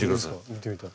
見てみたい。